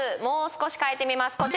もう少し変えてみます